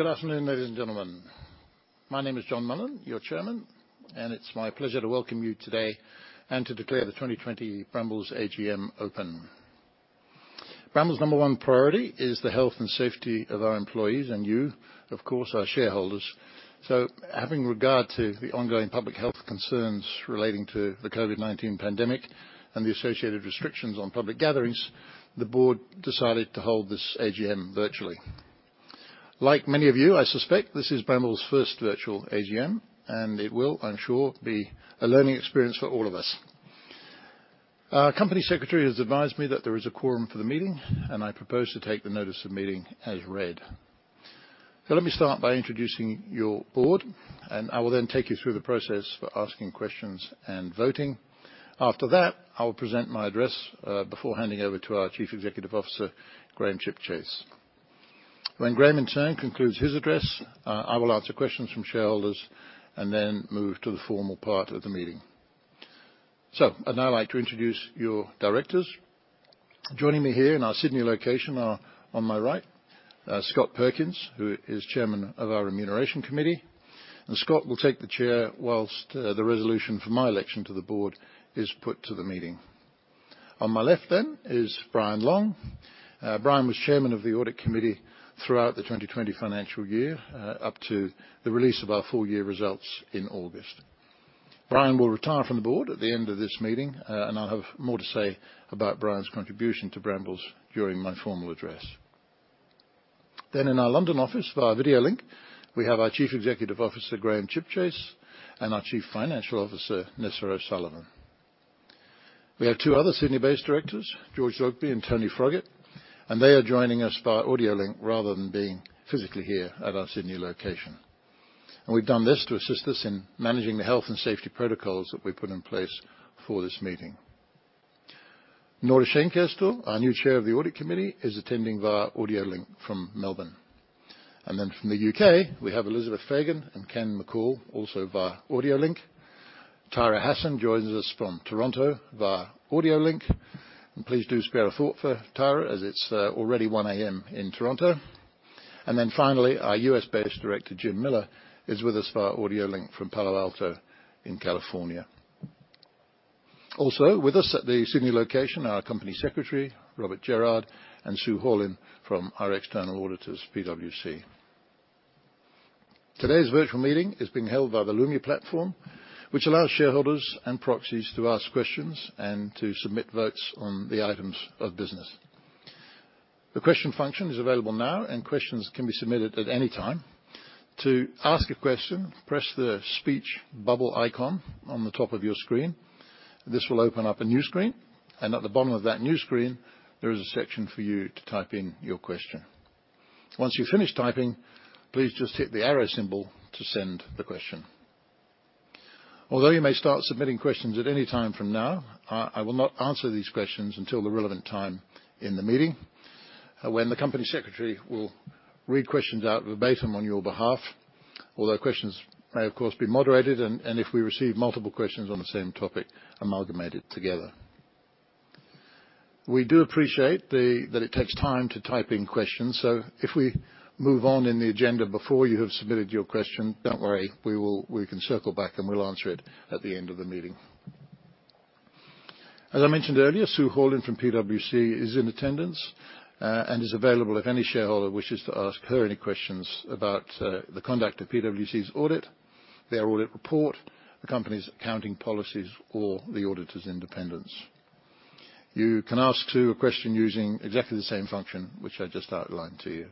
Good afternoon, ladies and gentlemen. My name is John Mullen, your Chairman, and it's my pleasure to welcome you today and to declare the 2020 Brambles AGM open. Brambles' number one priority is the health and safety of our employees and you, of course, our shareholders. Having regard to the ongoing public health concerns relating to the COVID-19 pandemic and the associated restrictions on public gatherings, the board decided to hold this AGM virtually. Like many of you, I suspect this is Brambles' first virtual AGM, and it will, I'm sure, be a learning experience for all of us. Our company secretary has advised me that there is a quorum for the meeting, and I propose to take the notice of meeting as read. Let me start by introducing your board, and I will then take you through the process for asking questions and voting. After that, I will present my address, before handing over to our Chief Executive Officer, Graham Chipchase. When Graham in turn concludes his address, I will answer questions from shareholders and then move to the formal part of the meeting. I'd now like to introduce your directors. Joining me here in our Sydney location are, on my right, Scott Perkins, who is Chairman of our Remuneration Committee. Scott will take the chair whilst the resolution for my election to the board is put to the meeting. On my left is Brian Long. Brian was Chairman of the Audit Committee throughout the 2020 financial year, up to the release of our full year results in August. Brian will retire from the board at the end of this meeting, and I'll have more to say about Brian's contribution to Brambles during my formal address. In our London office via video link, we have our Chief Executive Officer, Graham Chipchase, and our Chief Financial Officer, Nessa O'Sullivan. We have two other Sydney-based directors, George El-Zoghbi and Tony Froggatt. They are joining us via audio link rather than being physically here at our Sydney location. We've done this to assist us in managing the health and safety protocols that we've put in place for this meeting. Nora Scheinkestel, our new Chair of the Audit Committee, is attending via audio link from Melbourne. From the U.K., we have Elizabeth Fagan and Ken McCall also via audio link. Tahira Hassan joins us from Toronto via audio link. Please do spare a thought for Tahira as it's already 1:00 A.M. in Toronto. Finally, our U.S.-based director, Jim Miller, is with us via audio link from Palo Alto in California. Also, with us at the Sydney location, our Company Secretary, Robert Gerrard, and Sue Horlin from our external auditors, PwC. Today's virtual meeting is being held via the Lumi platform, which allows shareholders and proxies to ask questions and to submit votes on the items of business. The question function is available now. Questions can be submitted at any time. To ask a question, press the speech bubble icon on the top of your screen. This will open up a new screen, and at the bottom of that new screen, there is a section for you to type in your question. Once you've finished typing, please just hit the arrow symbol to send the question. Although you may start submitting questions at any time from now, I will not answer these questions until the relevant time in the meeting, when the Company Secretary will read questions out verbatim on your behalf, although questions may, of course, be moderated, and if we receive multiple questions on the same topic, amalgamated together. We do appreciate that it takes time to type in questions, so if we move on in the agenda before you have submitted your question, don't worry, we can circle back, and we'll answer it at the end of the meeting. As I mentioned earlier, Sue Horlin from PwC is in attendance, and is available if any shareholder wishes to ask her any questions about the conduct of PwC's audit, their audit report, the company's accounting policies, or the auditor's independence. You can ask, too, a question using exactly the same function which I just outlined to you.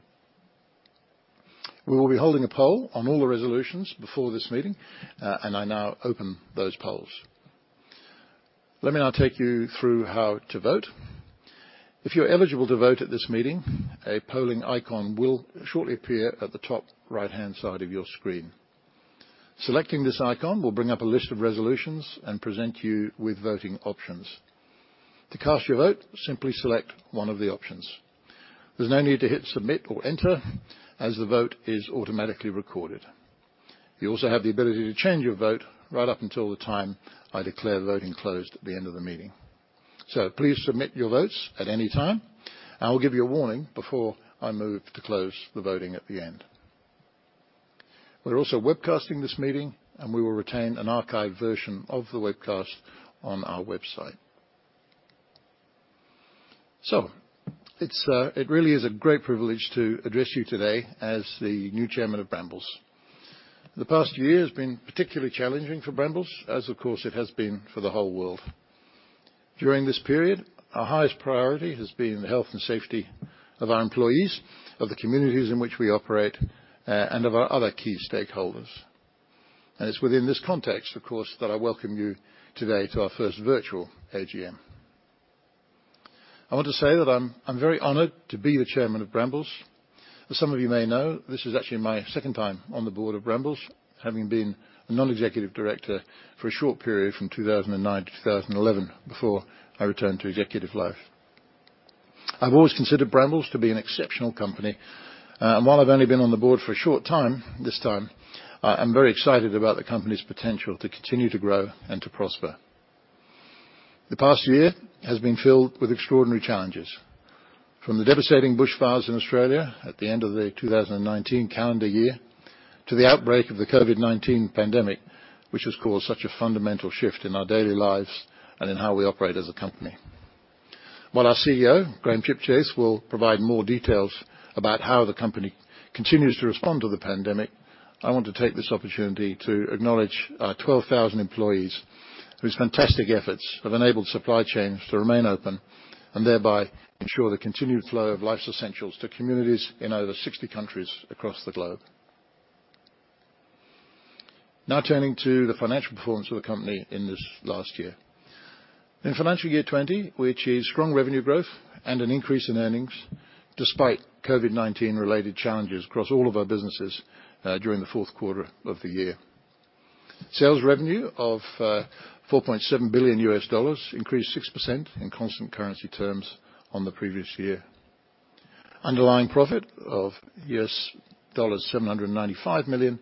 We will be holding a poll on all the resolutions before this meeting, and I now open those polls. Let me now take you through how to vote. If you're eligible to vote at this meeting, a polling icon will shortly appear at the top right-hand side of your screen. Selecting this icon will bring up a list of resolutions and present you with voting options. To cast your vote, simply select one of the options. There's no need to hit submit or enter, as the vote is automatically recorded. You also have the ability to change your vote right up until the time I declare the voting closed at the end of the meeting. Please submit your votes at any time. I will give you a warning before I move to close the voting at the end. We're also webcasting this meeting, and we will retain an archived version of the webcast on our website. It really is a great privilege to address you today as the new chairman of Brambles. The past year has been particularly challenging for Brambles, as of course it has been for the whole world. During this period, our highest priority has been the health and safety of our employees, of the communities in which we operate, and of our other key stakeholders. It's within this context, of course, that I welcome you today to our first virtual AGM. I want to say that I'm very honored to be the chairman of Brambles. As some of you may know, this is actually my second time on the board of Brambles, having been a non-executive director for a short period from 2009 to 2011 before I returned to executive life. I've always considered Brambles to be an exceptional company. While I've only been on the board for a short time this time, I'm very excited about the company's potential to continue to grow and to prosper. The past year has been filled with extraordinary challenges, from the devastating bushfires in Australia at the end of the 2019 calendar year, to the outbreak of the COVID-19 pandemic, which has caused such a fundamental shift in our daily lives and in how we operate as a company. While our CEO, Graham Chipchase, will provide more details about how the company continues to respond to the pandemic, I want to take this opportunity to acknowledge our 12,000 employees whose fantastic efforts have enabled supply chains to remain open, and thereby ensure the continued flow of life's essentials to communities in over 60 countries across the globe. Now, turning to the financial performance of the company in this last year. In FY 2020, we achieved strong revenue growth and an increase in earnings, despite COVID-19-related challenges across all of our businesses during the fourth quarter of the year. Sales revenue of $4.7 billion, increased 6% in constant currency terms on the previous year. Underlying profit of $795 million,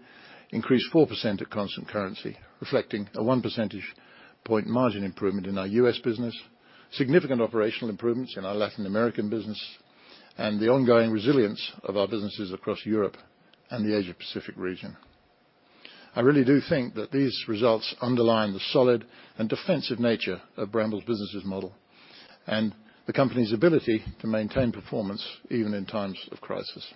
increased 4% at constant currency, reflecting a one percentage point margin improvement in our U.S. business, significant operational improvements in our Latin American business, and the ongoing resilience of our businesses across Europe and the Asia Pacific region. I really do think that these results underline the solid and defensive nature of Brambles businesses model, and the company's ability to maintain performance even in times of crisis.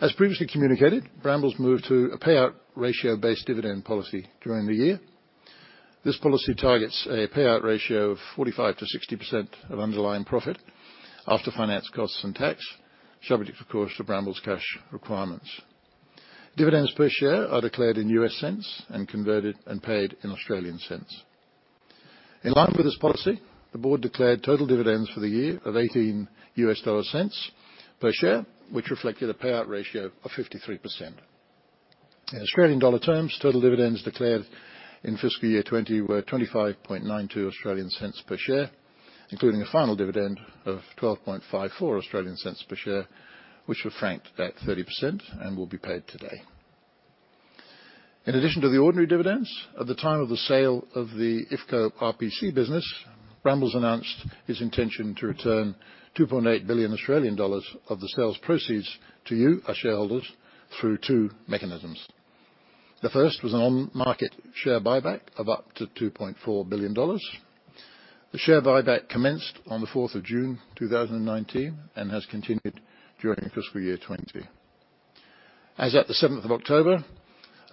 As previously communicated, Brambles moved to a payout ratio based dividend policy during the year. This policy targets a payout ratio of 45%-60% of underlying profit after finance costs and tax, subject of course to Brambles' cash requirements. Dividends per share are declared in U.S. cents and converted and paid in Australian cents. In line with this policy, the board declared total dividends for the year of $0.18 per share, which reflected a payout ratio of 53%. In Australian dollar terms, total dividends declared in fiscal year 2020 were 0.2592 per share, including a final dividend of 0.1254 per share, which were franked at 30% and will be paid today. In addition to the ordinary dividends, at the time of the sale of the IFCO RPC business, Brambles announced its intention to return 2.8 billion Australian dollars of the sales proceeds to you, our shareholders, through two mechanisms. The first was an on-market share buyback of up to 2.4 billion dollars. The share buyback commenced on the 4th of June 2019 and has continued during fiscal year 2020. As at the 7th of October,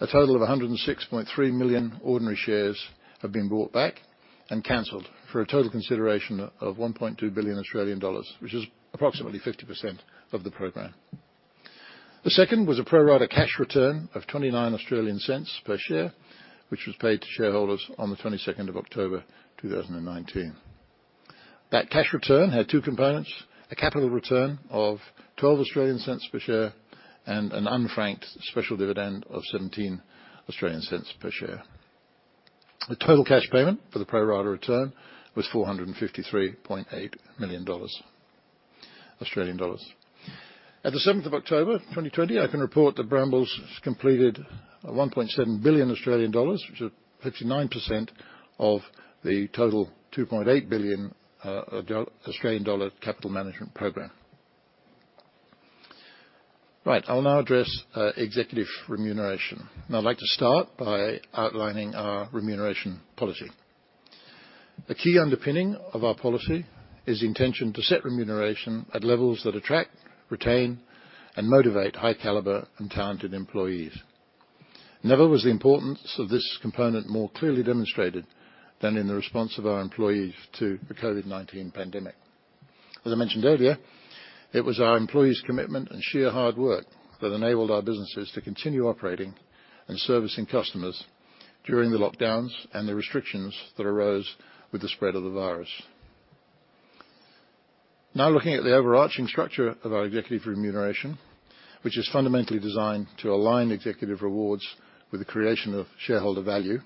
a total of 106.3 million ordinary shares have been bought back and canceled for a total consideration of 1.2 billion Australian dollars, which is approximately 50% of the program. The second was a pro rata cash return of 0.29 per share, which was paid to shareholders on the 22nd of October 2019. That cash return had two components, a capital return of 0.12 per share, and an unfranked special dividend of 0.17 per share. The total cash payment for the pro rata return was 453.8 million Australian dollars. At the 7th of October 2020, I can report that Brambles has completed 1.7 billion Australian dollars, which is 59% of the total 2.8 billion Australian dollar capital management program. Right, I'll now address executive remuneration. I'd like to start by outlining our remuneration policy. A key underpinning of our policy is the intention to set remuneration at levels that attract, retain, and motivate high caliber and talented employees. Never was the importance of this component more clearly demonstrated than in the response of our employees to the COVID-19 pandemic. As I mentioned earlier, it was our employees' commitment and sheer hard work that enabled our businesses to continue operating and servicing customers during the lockdowns and the restrictions that arose with the spread of the virus. Now, looking at the overarching structure of our executive remuneration, which is fundamentally designed to align executive rewards with the creation of shareholder value.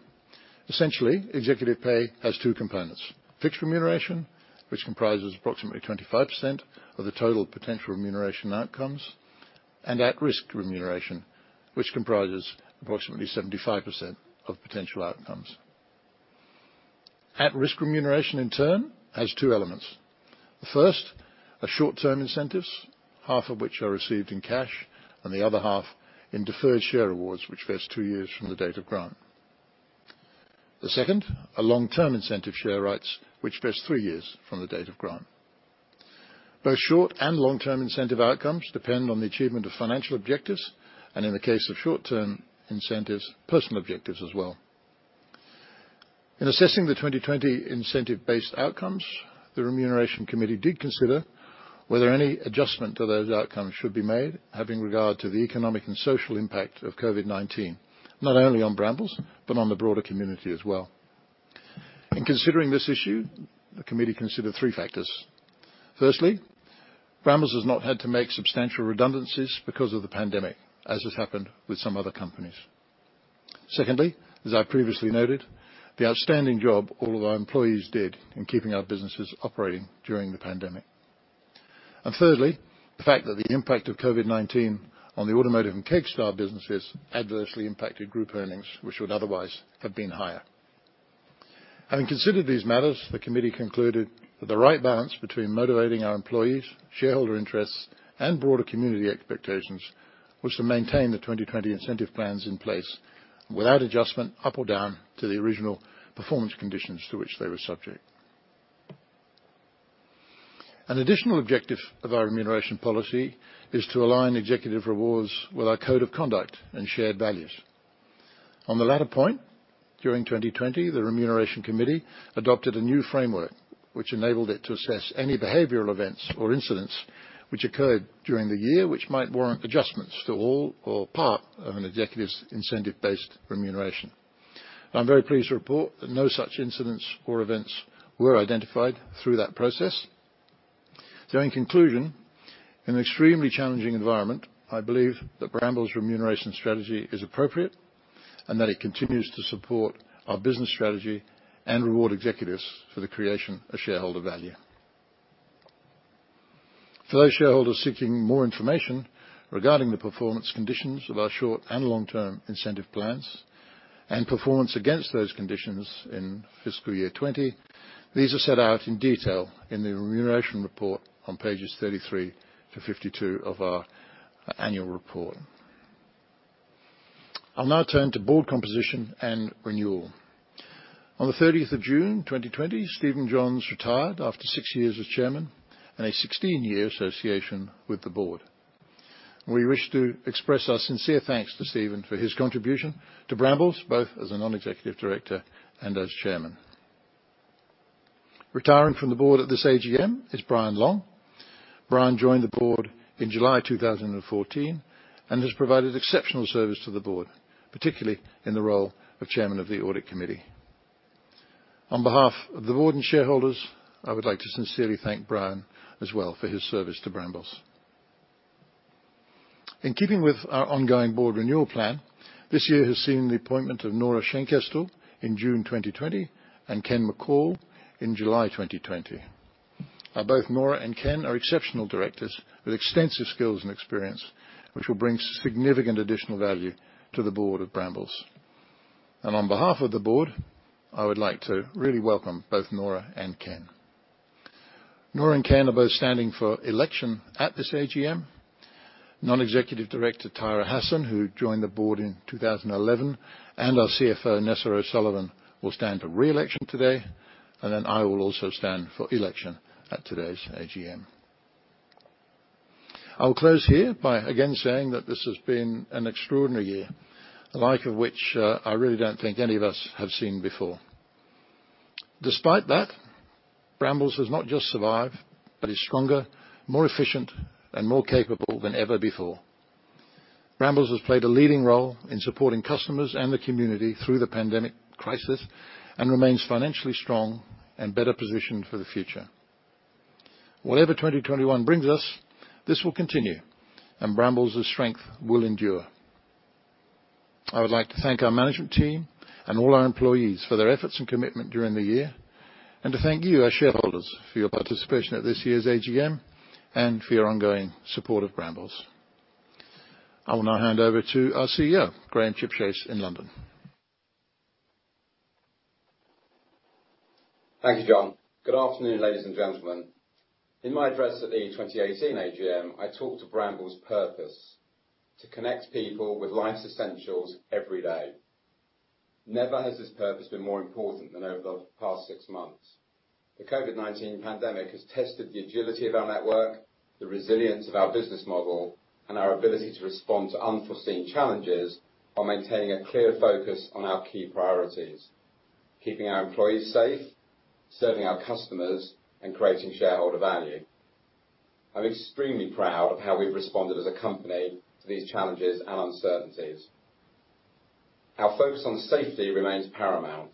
Essentially, executive pay has two components, fixed remuneration, which comprises approximately 25% of the total potential remuneration outcomes, and at-risk remuneration, which comprises approximately 75% of potential outcomes. At-risk remuneration, in turn, has two elements. The first, are short-term incentives, half of which are received in cash and the other half in deferred share awards, which vest two years from the date of grant. The second, are long-term incentive share rights, which vest three years from the date of grant. Both short and long-term incentive outcomes depend on the achievement of financial objectives, and in the case of short-term incentives, personal objectives as well. In assessing the 2020 incentive-based outcomes, the Remuneration Committee did consider whether any adjustment to those outcomes should be made, having regard to the economic and social impact of COVID-19, not only on Brambles but on the broader community as well. In considering this issue, the committee considered three factors. Firstly, Brambles has not had to make substantial redundancies because of the pandemic, as has happened with some other companies. As I previously noted, the outstanding job all of our employees did in keeping our businesses operating during the pandemic. Thirdly, the fact that the impact of COVID-19 on the automotive and Kegstar businesses adversely impacted group earnings, which would otherwise have been higher. Having considered these matters, the committee concluded that the right balance between motivating our employees, shareholder interests, and broader community expectations, was to maintain the 2020 incentive plans in place without adjustment up or down to the original performance conditions to which they were subject. An additional objective of our remuneration policy is to align executive rewards with our code of conduct and shared values. On the latter point, during 2020, the Remuneration Committee adopted a new framework, which enabled it to assess any behavioral events or incidents which occurred during the year, which might warrant adjustments to all or part of an executive's incentive-based remuneration. I'm very pleased to report that no such incidents or events were identified through that process. In conclusion, in an extremely challenging environment, I believe that Brambles' remuneration strategy is appropriate, and that it continues to support our business strategy and reward executives for the creation of shareholder value. For those shareholders seeking more information regarding the performance conditions of our short and long-term incentive plans and performance against those conditions in fiscal year 2020, these are set out in detail in the remuneration report on pages 33 to 52 of our annual report. I'll now turn to board composition and renewal. On the 30th of June 2020, Stephen Johns retired after six years as chairman and a 16-year association with the board. We wish to express our sincere thanks to Stephen for his contribution to Brambles, both as a non-executive director and as chairman. Retiring from the board at this AGM is Brian Long. Brian joined the board in July 2014 and has provided exceptional service to the board, particularly in the role of Chairman of the Audit Committee. On behalf of the board and shareholders, I would like to sincerely thank Brian as well for his service to Brambles. In keeping with our ongoing board renewal plan, this year has seen the appointment of Nora Scheinkestel in June 2020, and Ken McCall in July 2020. Both Nora and Ken are exceptional directors with extensive skills and experience, which will bring significant additional value to the board of Brambles. On behalf of the board, I would like to really welcome both Nora and Ken. Nora and Ken are both standing for election at this AGM. Non-executive director Tahira Hassan, who joined the board in 2011, and our CFO, Nessa O'Sullivan, will stand for re-election today, and then I will also stand for election at today's AGM. I will close here by again saying that this has been an extraordinary year, the like of which, I really don't think any of us have seen before. Despite that, Brambles has not just survived, but is stronger, more efficient, and more capable than ever before. Brambles has played a leading role in supporting customers and the community through the pandemic crisis, and remains financially strong and better positioned for the future. Whatever 2021 brings us, this will continue, and Brambles' strength will endure. I would like to thank our management team and all our employees for their efforts and commitment during the year, and to thank you, our shareholders, for your participation at this year's AGM and for your ongoing support of Brambles. I will now hand over to our CEO, Graham Chipchase in London. Thank you, John. Good afternoon, ladies and gentlemen. In my address at the 2018 AGM, I talked of Brambles' purpose to connect people with life's essentials every day. Never has this purpose been more important than over the past six months. The COVID-19 pandemic has tested the agility of our network, the resilience of our business model, and our ability to respond to unforeseen challenges while maintaining a clear focus on our key priorities, keeping our employees safe, serving our customers, and creating shareholder value. I'm extremely proud of how we've responded as a company to these challenges and uncertainties. Our focus on safety remains paramount.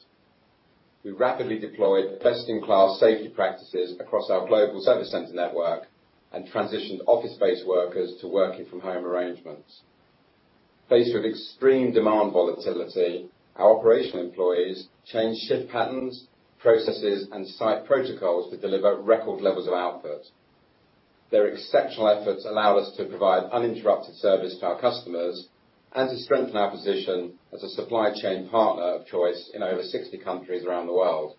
We rapidly deployed best-in-class safety practices across our global service center network and transitioned office-based workers to working from home arrangements. Faced with extreme demand volatility, our operational employees changed shift patterns, processes, and site protocols to deliver record levels of output. Their exceptional efforts allowed us to provide uninterrupted service to our customers and to strengthen our position as a supply chain partner of choice in over 60 countries around the world.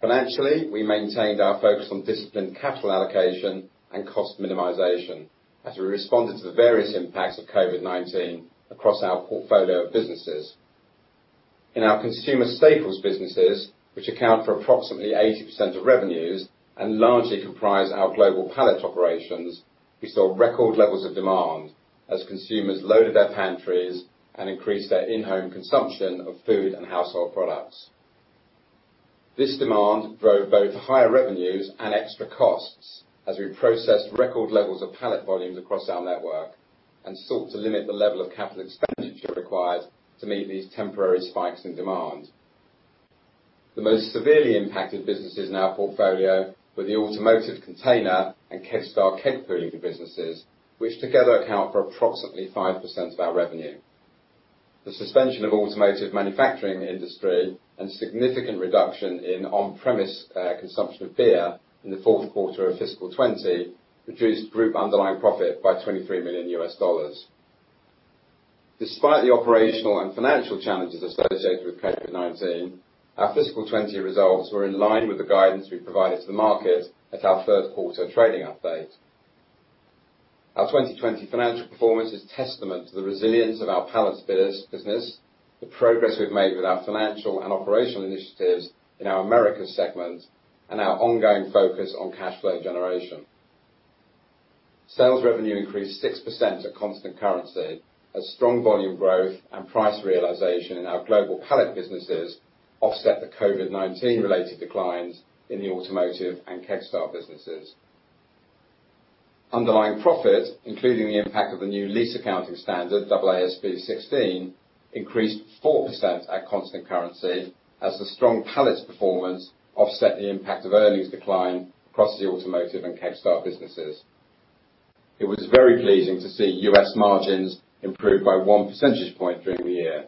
Financially, we maintained our focus on disciplined capital allocation and cost minimization as we responded to the various impacts of COVID-19 across our portfolio of businesses. In our consumer staples businesses, which account for approximately 80% of revenues and largely comprise our global pallet operations, we saw record levels of demand as consumers loaded their pantries and increased their in-home consumption of food and household products. This demand drove both higher revenues and extra costs as we processed record levels of pallet volumes across our network and sought to limit the level of capital expenditure required to meet these temporary spikes in demand. The most severely impacted businesses in our portfolio were the automotive container and Kegstar keg pooling businesses, which together account for approximately 5% of our revenue. The suspension of automotive manufacturing industry and significant reduction in on-premise consumption of beer in the fourth quarter of fiscal 2020 reduced group underlying profit by $23 million. Despite the operational and financial challenges associated with COVID-19, our fiscal 2020 results were in line with the guidance we provided to the market at our third quarter trading update. Our 2020 financial performance is testament to the resilience of our pallets business, the progress we've made with our financial and operational initiatives in our Americas segment, and our ongoing focus on cash flow generation. Sales revenue increased 6% at constant currency as strong volume growth and price realization in our global pallet businesses offset the COVID-19 related declines in the automotive and Kegstar businesses. Underlying profit, including the impact of the new lease accounting standard, AASB 16, increased 4% at constant currency as the strong pallets performance offset the impact of earnings decline across the automotive and Kegstar businesses. It was very pleasing to see U.S. margins improve by one percentage point during the year.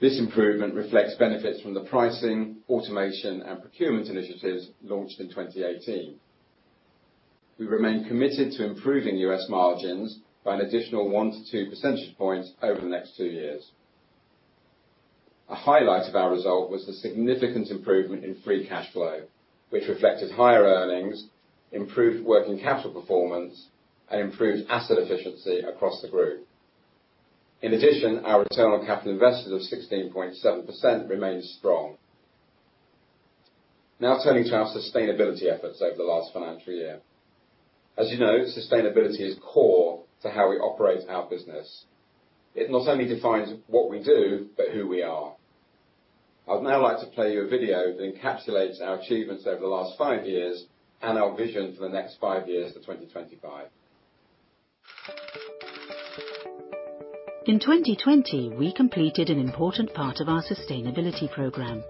This improvement reflects benefits from the pricing, automation, and procurement initiatives launched in 2018. We remain committed to improving U.S. margins by an additional one to two percentage points over the next two years. A highlight of our result was the significant improvement in free cash flow, which reflected higher earnings, improved working capital performance, and improved asset efficiency across the group. In addition, our return on capital invested of 16.7% remains strong. Now turning to our sustainability efforts over the last financial year. As you know, sustainability is core to how we operate our business. It not only defines what we do, but who we are. I'd now like to play you a video that encapsulates our achievements over the last five years and our vision for the next five years to 2025. In 2020, we completed an important part of our sustainability program.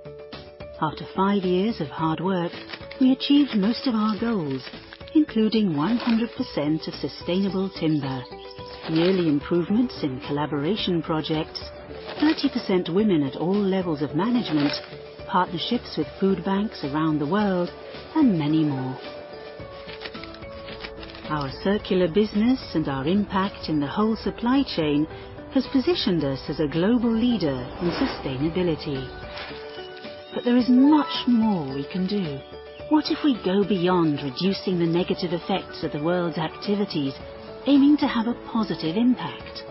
After five years of hard work, we achieved most of our goals, including 100% of sustainable timber, yearly improvements in collaboration projects, 30% women at all levels of management, partnerships with food banks around the world, and many more. Our circular business and our impact in the whole supply chain has positioned us as a global leader in sustainability. There is much more we can do. What if we go beyond reducing the negative effects of the world's activities, aiming to have a positive impact?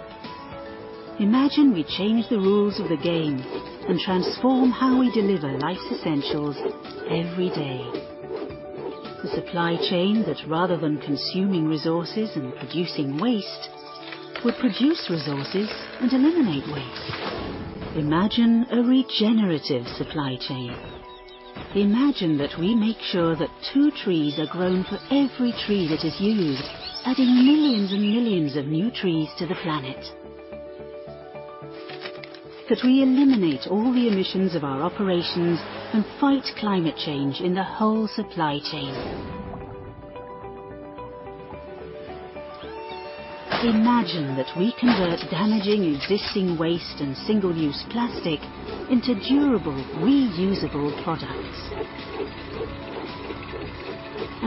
Imagine we change the rules of the game and transform how we deliver life's essentials every day. A supply chain that, rather than consuming resources and producing waste, will produce resources and eliminate waste. Imagine a regenerative supply chain. Imagine that we make sure that two trees are grown for every tree that is used, adding millions and millions of new trees to the planet. That we eliminate all the emissions of our operations and fight climate change in the whole supply chain. Imagine that we convert damaging existing waste and single-use plastic into durable reusable products.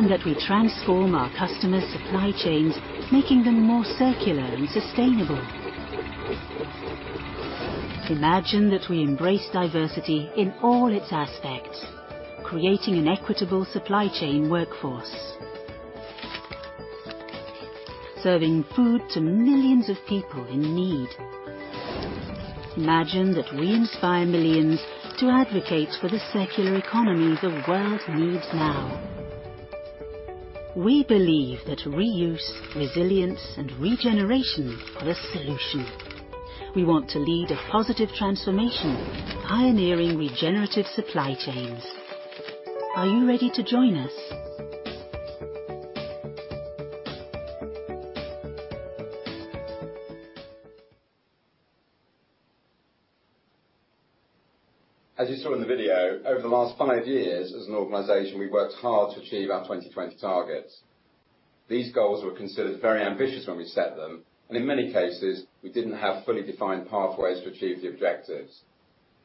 That we transform our customers' supply chains, making them more circular and sustainable. Imagine that we embrace diversity in all its aspects, creating an equitable supply chain workforce, serving food to millions of people in need. Imagine that we inspire millions to advocate for the circular economy the world needs now. We believe that reuse, resilience, and regeneration are the solution. We want to lead a positive transformation, pioneering regenerative supply chains. Are you ready to join us? As you saw in the video, over the last five years as an organization, we've worked hard to achieve our 2020 targets. These goals were considered very ambitious when we set them, and in many cases, we didn't have fully defined pathways to achieve the objectives.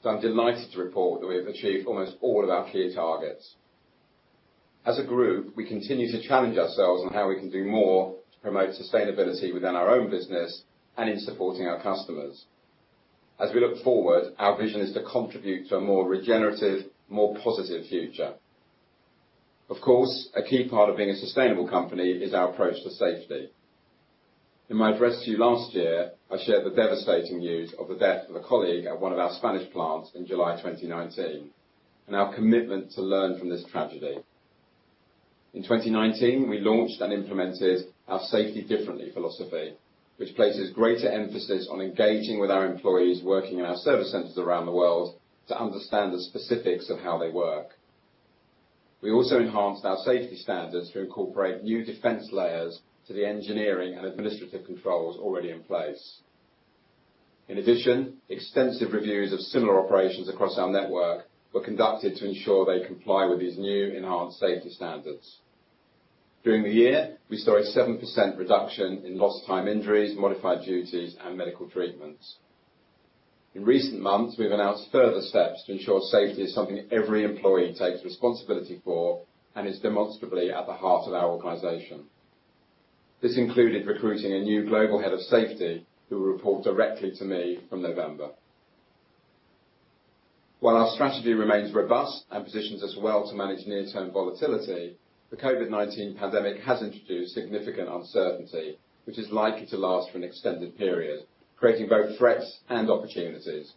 I'm delighted to report that we have achieved almost all of our key targets. As a group, we continue to challenge ourselves on how we can do more to promote sustainability within our own business and in supporting our customers. As we look forward, our vision is to contribute to a more regenerative, more positive future. Of course, a key part of being a sustainable company is our approach to safety. In my address to you last year, I shared the devastating news of the death of a colleague at one of our Spanish plants in July 2019 and our commitment to learn from this tragedy. In 2019, we launched and implemented our Safety Differently philosophy, which places greater emphasis on engaging with our employees working in our service centers around the world to understand the specifics of how they work. We also enhanced our safety standards to incorporate new defense layers to the engineering and administrative controls already in place. In addition, extensive reviews of similar operations across our network were conducted to ensure they comply with these new enhanced safety standards. During the year, we saw a 7% reduction in lost time injuries, modified duties, and medical treatments. In recent months, we've announced further steps to ensure safety is something every employee takes responsibility for and is demonstrably at the heart of our organization. This included recruiting a new global head of safety, who will report directly to me from November. While our strategy remains robust and positions us well to manage near-term volatility, the COVID-19 pandemic has introduced significant uncertainty, which is likely to last for an extended period, creating both threats and opportunities.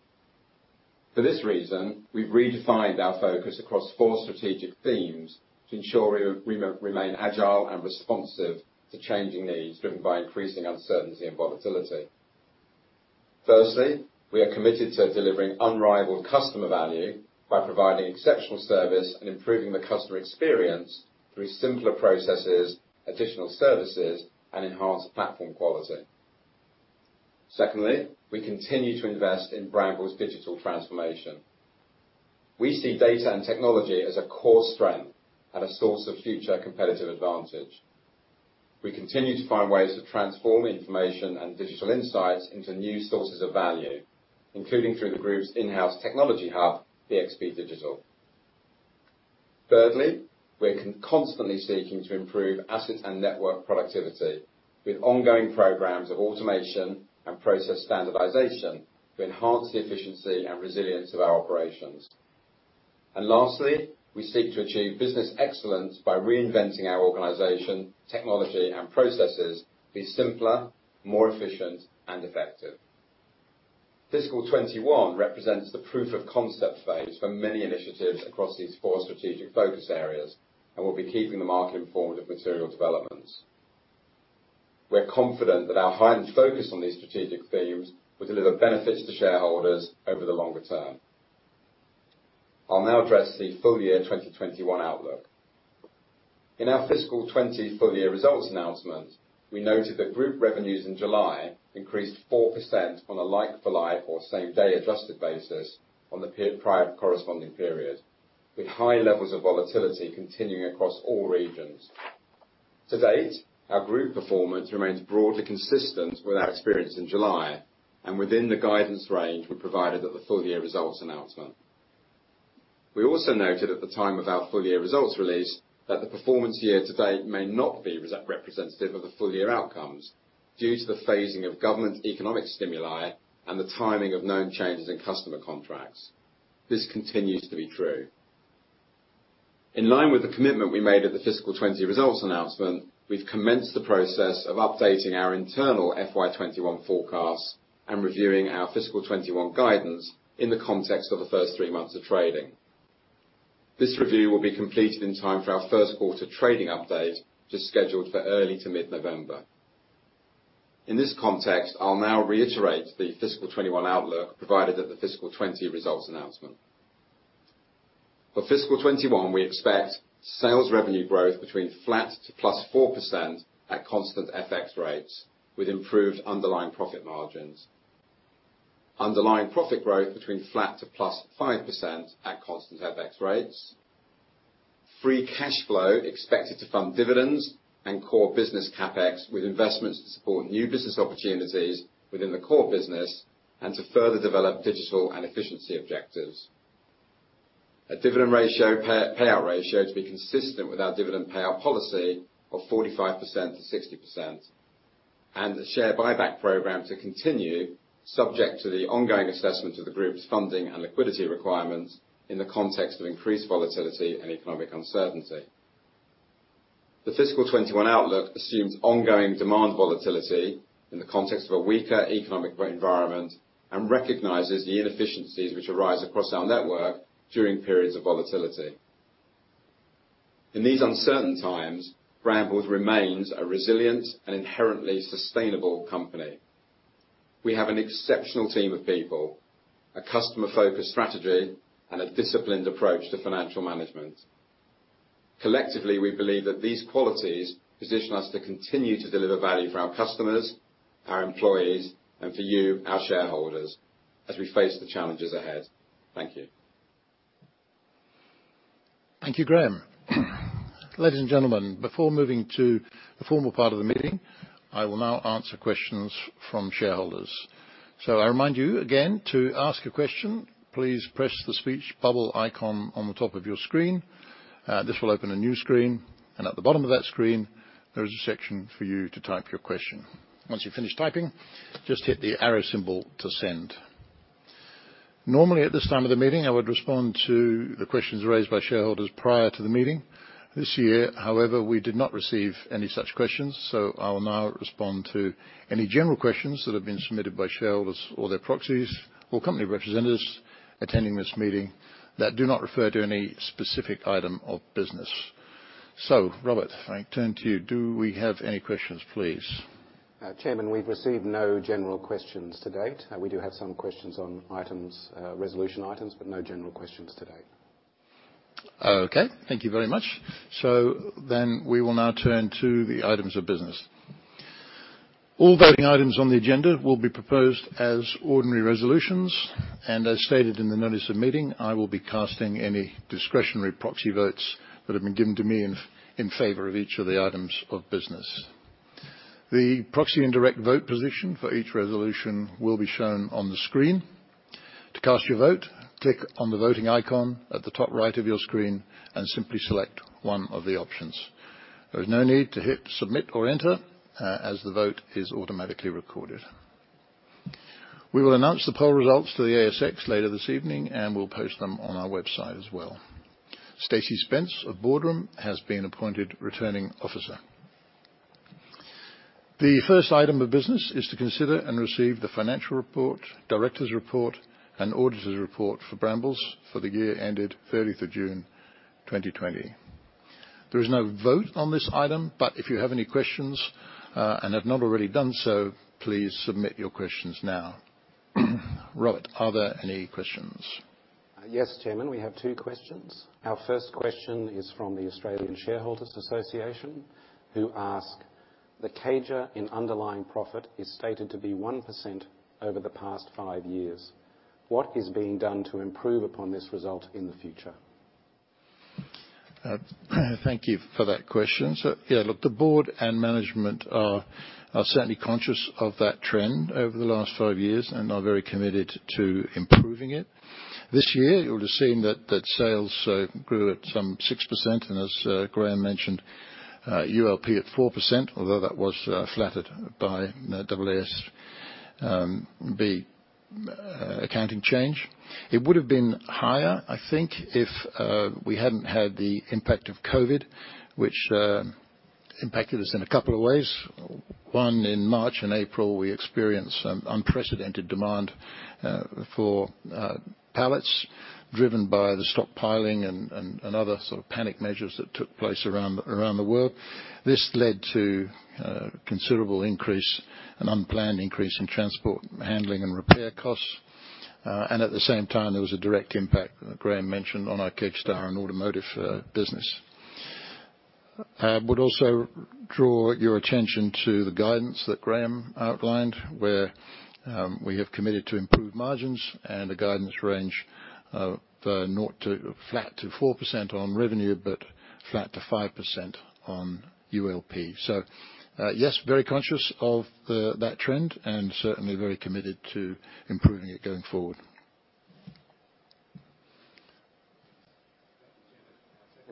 For this reason, we've redefined our focus across four strategic themes to ensure we remain agile and responsive to changing needs driven by increasing uncertainty and volatility. Firstly, we are committed to delivering unrivaled customer value by providing exceptional service and improving the customer experience through simpler processes, additional services, and enhanced platform quality. Secondly, we continue to invest in Brambles' Digital Transformation. We see data and technology as a core strength and a source of future competitive advantage. We continue to find ways to transform information and digital insights into new sources of value, including through the group's in-house technology hub, BXB Digital. Thirdly, we're constantly seeking to improve asset and network productivity with ongoing programs of automation and process standardization to enhance the efficiency and resilience of our operations. Lastly, we seek to achieve business excellence by reinventing our organization, technology, and processes to be simpler, more efficient, and effective. Fiscal 2021 represents the proof of concept phase for many initiatives across these four strategic focus areas, and we'll be keeping the market informed of material developments. We're confident that our heightened focus on these strategic themes will deliver benefits to shareholders over the longer term. I'll now address the full year 2021 outlook. In our fiscal '20 full year results announcement, we noted that group revenues in July increased 4% on a like-for-like or same-day adjusted basis on the period prior corresponding period, with high levels of volatility continuing across all regions. To date, our group performance remains broadly consistent with our experience in July and within the guidance range we provided at the full year results announcement. We also noted at the time of our full year results release, that the performance year-to-date may not be representative of the full year outcomes due to the phasing of government economic stimuli and the timing of known changes in customer contracts. This continues to be true. In line with the commitment we made at the fiscal 2020 results announcement, we've commenced the process of updating our internal FY 2021 forecasts and reviewing our fiscal 2021 guidance in the context of the first three months of trading. This review will be completed in time for our first quarter trading update, which is scheduled for early to mid-November. In this context, I'll now reiterate the fiscal 2021 outlook provided at the fiscal 2020 results announcement. For fiscal 2021, we expect sales revenue growth between flat to +4% at constant FX rates, with improved underlying profit margins. Underlying profit growth between flat to +5% at constant FX rates. Free cash flow expected to fund dividends and core business CapEx with investments to support new business opportunities within the core business and to further develop digital and efficiency objectives. A dividend payout ratio to be consistent with our dividend payout policy of 45%-60%, and the share buyback program to continue, subject to the ongoing assessment of the group's funding and liquidity requirements in the context of increased volatility and economic uncertainty. The fiscal 2021 outlook assumes ongoing demand volatility in the context of a weaker economic environment and recognizes the inefficiencies which arise across our network during periods of volatility. In these uncertain times, Brambles remains a resilient and inherently sustainable company. We have an exceptional team of people, a customer-focused strategy, and a disciplined approach to financial management. Collectively, we believe that these qualities position us to continue to deliver value for our customers, our employees, and for you, our shareholders, as we face the challenges ahead. Thank you. Thank you, Graham. Ladies and gentlemen, before moving to the formal part of the meeting, I will now answer questions from shareholders. I remind you again, to ask a question, please press the speech bubble icon on the top of your screen. This will open a new screen, and at the bottom of that screen, there is a section for you to type your question. Once you've finished typing, just hit the arrow symbol to send. Normally at this time of the meeting, I would respond to the questions raised by shareholders prior to the meeting. This year, however, we did not receive any such questions, so I will now respond to any general questions that have been submitted by shareholders or their proxies or company representatives attending this meeting that do not refer to any specific item of business. Robert, I turn to you. Do we have any questions, please? Chairman, we've received no general questions to date. We do have some questions on resolution items, but no general questions to date. Okay, thank you very much. We will now turn to the items of business. All voting items on the agenda will be proposed as ordinary resolutions. As stated in the notice of meeting, I will be casting any discretionary proxy votes that have been given to me in favor of each of the items of business. The proxy and direct vote position for each resolution will be shown on the screen. To cast your vote, click on the voting icon at the top right of your screen and simply select one of the options. There is no need to hit submit or enter, as the vote is automatically recorded. We will announce the poll results to the ASX later this evening and will post them on our website as well. Stacy Spence of Boardroom has been appointed Returning Officer. The first item of business is to consider and receive the financial report, directors report, and auditors report for Brambles for the year ended 30th of June 2020. There is no vote on this item, but if you have any questions, and have not already done so, please submit your questions now. Robert, are there any questions? Yes, Chairman, we have two questions. Our first question is from the Australian Shareholders' Association, who ask, "The CAGR in underlying profit is stated to be 1% over the past five years. What is being done to improve upon this result in the future? Thank you for that question. Yeah, look, the board and management are certainly conscious of that trend over the last five years and are very committed to improving it. This year, you'll have seen that sales grew at some 6%, and as Graham mentioned, ULP at 4%, although that was flattered by AASB accounting change. It would've been higher, I think, if we hadn't had the impact of COVID, which impacted us in a couple of ways. One, in March and April, we experienced some unprecedented demand for pallets driven by the stockpiling and other sort of panic measures that took place around the world. This led to a considerable increase, an unplanned increase in transport, handling, and repair costs. At the same time, there was a direct impact that Graham mentioned on our Kegstar and automotive business. I would also draw your attention to the guidance that Graham outlined, where we have committed to improve margins and a guidance range of the nought to flat to 4% on revenue, but flat to 5% on ULP. Yes, very conscious of that trend and certainly very committed to improving it going forward.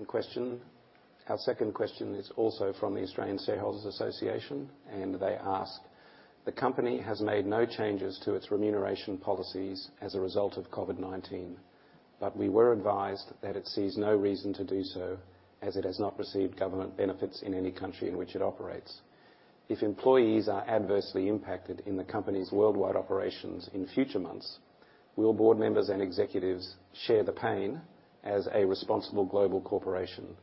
Question. Our second question is also from the Australian Shareholders' Association, and they ask, "The company has made no changes to its remuneration policies as a result of COVID-19, but we were advised that it sees no reason to do so as it has not received government benefits in any country in which it operates. If employees are adversely impacted in the company's worldwide operations in future months, will board members and executives share the pain as a responsible global corporation?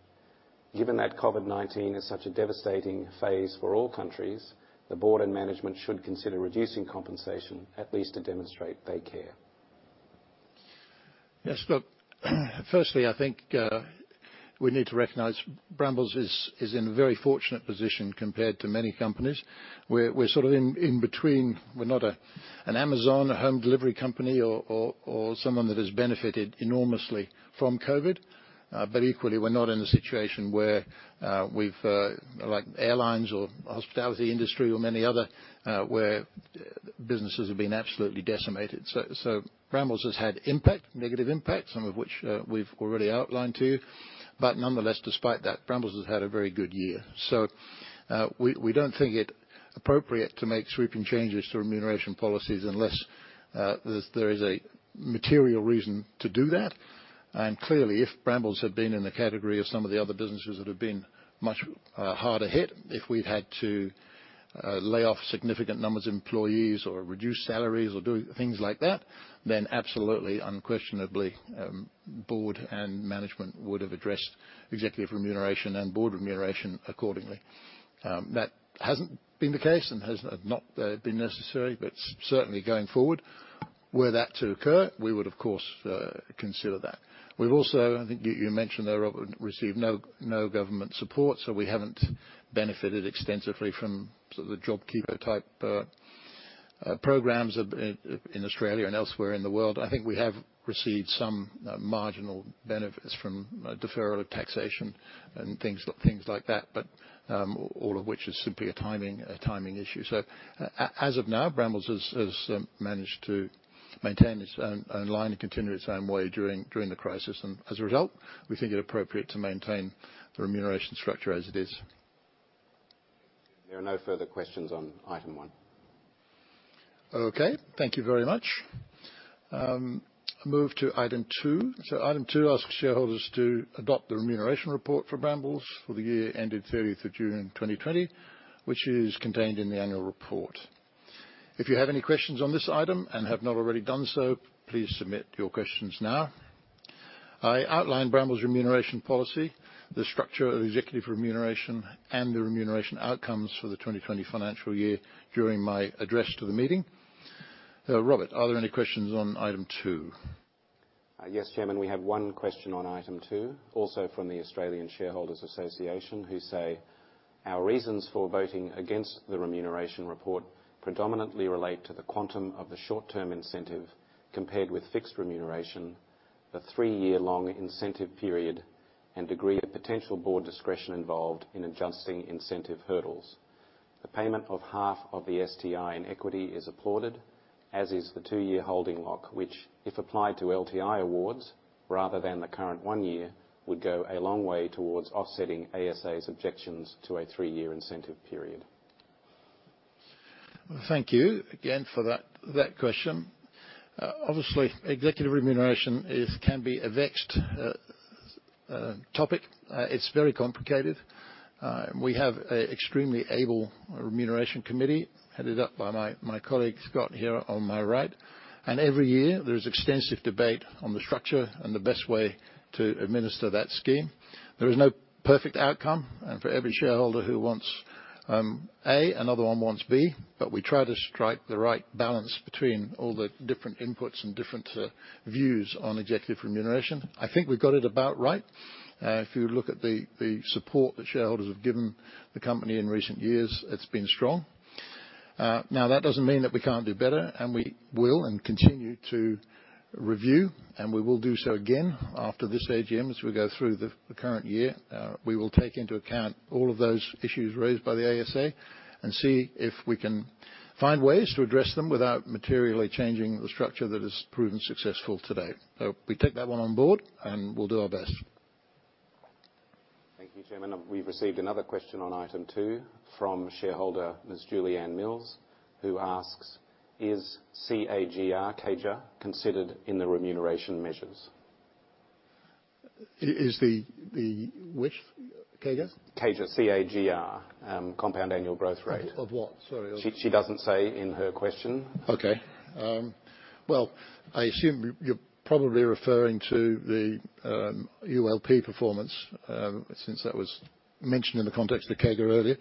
Given that COVID-19 is such a devastating phase for all countries, the board and management should consider reducing compensation at least to demonstrate they care. We need to recognize Brambles is in a very fortunate position compared to many companies. We're sort of in between. We're not an Amazon, a home delivery company or someone that has benefited enormously from COVID. Equally, we're not in a situation where like airlines or hospitality industry or many other, where businesses have been absolutely decimated. Brambles has had impact, negative impact, some of which we've already outlined to you. Nonetheless, despite that, Brambles has had a very good year. We don't think it appropriate to make sweeping changes to remuneration policies unless there is a material reason to do that. Clearly, if Brambles had been in the category of some of the other businesses that have been much harder hit, if we'd had to lay off significant numbers of employees or reduce salaries or do things like that, then absolutely unquestionably, board and management would've addressed executive remuneration and board remuneration accordingly. That hasn't been the case and has not been necessary. Certainly going forward, were that to occur, we would of course, consider that. We've also, I think you mentioned there, Robert, received no government support, so we haven't benefited extensively from sort of the JobKeeper type programs in Australia and elsewhere in the world. I think we have received some marginal benefits from deferral of taxation and things like that, but all of which is simply a timing issue. As of now, Brambles has managed to maintain its own line and continue its own way during the crisis. As a result, we think it appropriate to maintain the remuneration structure as it is. There are no further questions on item one. Okay. Thank you very much. Move to item two. Item two asks shareholders to adopt the remuneration report for Brambles for the year ended 30th of June 2020, which is contained in the annual report. If you have any questions on this item and have not already done so, please submit your questions now. I outlined Brambles' remuneration policy, the structure of executive remuneration, and the remuneration outcomes for the 2020 financial year during my address to the meeting. Robert, are there any questions on item two? Yes, Chairman, we have one question on item two, also from the Australian Shareholders' Association, who say, "Our reasons for voting against the remuneration report predominantly relate to the quantum of the short-term incentive compared with fixed remuneration, the three-year long incentive period, and degree of potential board discretion involved in adjusting incentive hurdles. The payment of half of the STI in equity is applauded, as is the two-year holding lock which, if applied to LTI awards rather than the current one year, would go a long way towards offsetting ASA's objections to a three-year incentive period. Thank you again for that question. Obviously, executive remuneration can be a vexed topic. It's very complicated. We have a extremely able Remuneration Committee headed up by my colleague, Scott, here on my right. Every year, there is extensive debate on the structure and the best way to administer that scheme. There is no perfect outcome, for every shareholder who wants A, another one wants B. We try to strike the right balance between all the different inputs and different views on executive remuneration. I think we got it about right. If you look at the support that shareholders have given the company in recent years, it's been strong. That doesn't mean that we can't do better, and we will and continue to review, and we will do so again after this AGM as we go through the current year. We will take into account all of those issues raised by the ASA and see if we can find ways to address them without materially changing the structure that has proven successful to date. We take that one on board, and we'll do our best. Thank you, Chairman. We've received another question on item two from shareholder Ms. Julianne Mills, who asks, "Is CAGR, considered in the remuneration measures? Is the which? CAGR? CAGR, C-A-G-R, compound annual growth rate. Of what? Sorry. She doesn't say in her question. Okay. Well, I assume you're probably referring to the ULP performance, since that was mentioned in the context of CAGR earlier.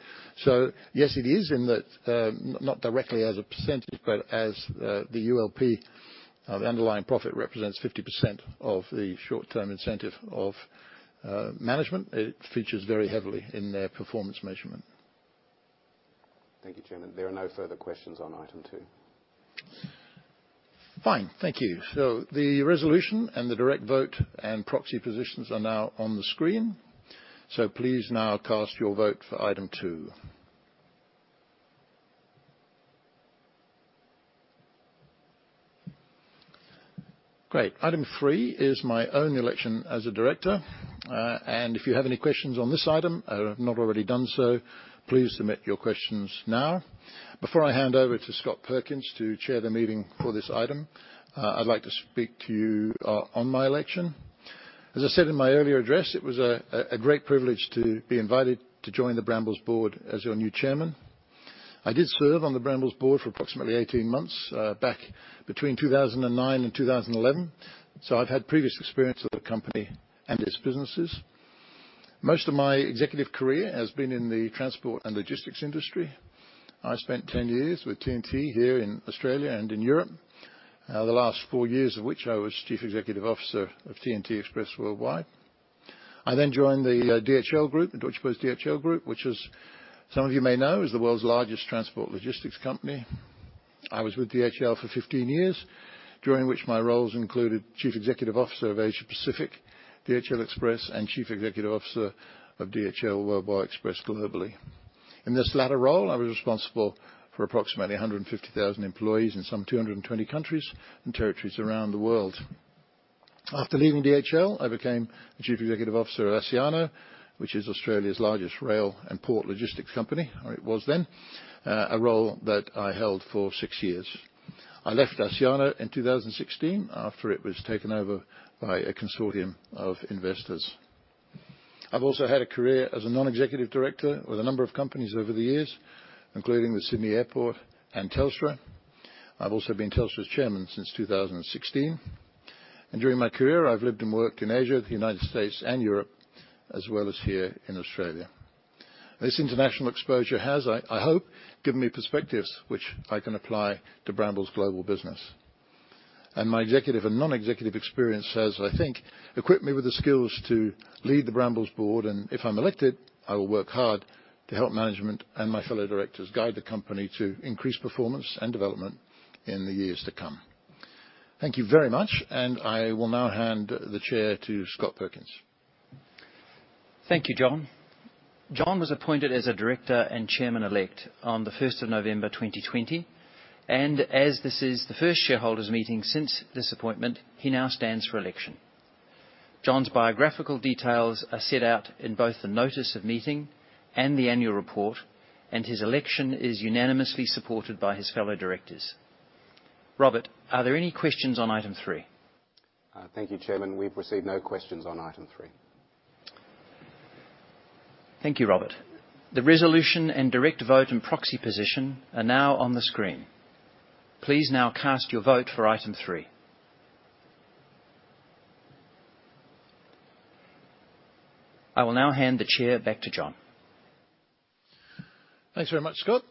Yes, it is in that, not directly as a percentage, but as the ULP, underlying profit, represents 50% of the short-term incentive of management. It features very heavily in their performance measurement. Thank you, Chairman. There are no further questions on item two. Fine. Thank you. The resolution and the direct vote and proxy positions are now on the screen. Please now cast your vote for item two. Great. Item three is my own election as a director. If you have any questions on this item, or have not already done so, please submit your questions now. Before I hand over to Scott Perkins to chair the meeting for this item, I'd like to speak to you on my election. As I said in my earlier address, it was a great privilege to be invited to join the Brambles board as your new chairman. I did serve on the Brambles board for approximately 18 months back between 2009 and 2011, so I've had previous experience with the company and its businesses. Most of my executive career has been in the transport and logistics industry. I spent 10 years with TNT here in Australia and in Europe. The last four years of which I was Chief Executive Officer of TNT Express Worldwide. I joined the DHL Group, Deutsche Post DHL Group, which as some of you may know, is the world's largest transport logistics company. I was with DHL for 15 years, during which my roles included Chief Executive Officer of Asia Pacific, DHL Express, and Chief Executive Officer of DHL Worldwide Express globally. In this latter role, I was responsible for approximately 150,000 employees in some 220 countries and territories around the world. After leaving DHL, I became the Chief Executive Officer of Aurizon, which is Australia's largest rail and port logistics company, or it was then, a role that I held for six years. I left Aurizon in 2016 after it was taken over by a consortium of investors. I've also had a career as a non-executive director with a number of companies over the years, including the Sydney Airport and Telstra. I've also been Telstra's chairman since 2016. During my career, I've lived and worked in Asia, the United States, and Europe, as well as here in Australia. This international exposure has, I hope, given me perspectives which I can apply to Brambles global business. My executive and non-executive experience has, I think, equipped me with the skills to lead the Brambles board. If I'm elected, I will work hard to help management and my fellow directors guide the company to increased performance and development in the years to come. Thank you very much, and I will now hand the chair to Scott Perkins. Thank you, John. John was appointed as a director and chairman-elect on the 1st of November 2020. As this is the first shareholders' meeting since this appointment, he now stands for election. John's biographical details are set out in both the notice of meeting and the annual report, and his election is unanimously supported by his fellow directors. Robert, are there any questions on item three? Thank you, Chairman. We've received no questions on item three. Thank you, Robert. The resolution and direct vote and proxy position are now on the screen. Please now cast your vote for item three I will now hand the chair back to John. Thanks very much, Scott.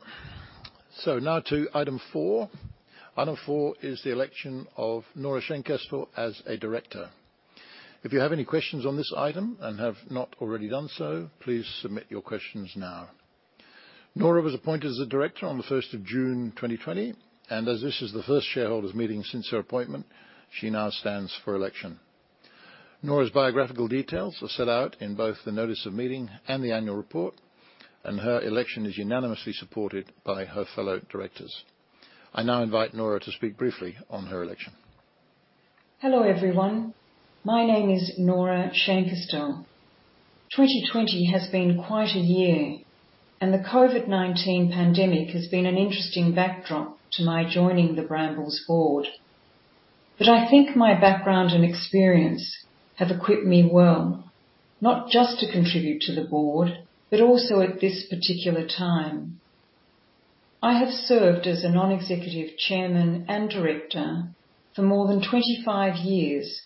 Now to item four. Item four is the election of Nora Scheinkestel as a director. If you have any questions on this item and have not already done so, please submit your questions now. Nora was appointed as a director on the 1st of June 2020, and as this is the first shareholders' meeting since her appointment, she now stands for election. Nora's biographical details are set out in both the notice of meeting and the annual report, and her election is unanimously supported by her fellow directors. I now invite Nora to speak briefly on her election. Hello, everyone. My name is Nora Scheinkestel. 2020 has been quite a year, and the COVID-19 pandemic has been an interesting backdrop to my joining the Brambles board. I think my background and experience have equipped me well, not just to contribute to the board, but also at this particular time. I have served as a non-executive chairman and director for more than 25 years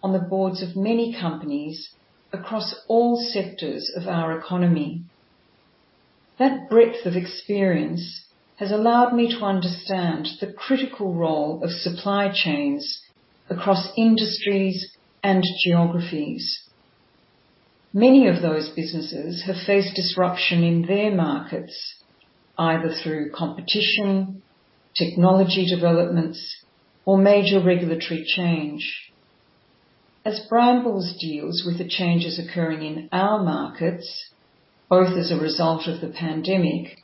on the boards of many companies across all sectors of our economy. That breadth of experience has allowed me to understand the critical role of supply chains across industries and geographies. Many of those businesses have faced disruption in their markets, either through competition, technology developments, or major regulatory change. As Brambles deals with the changes occurring in our markets, both as a result of the pandemic,